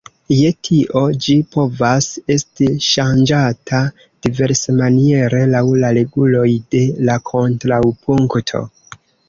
Je tio ĝi povas esti ŝanĝata diversmaniere laŭ la reguloj de la kontrapunkto.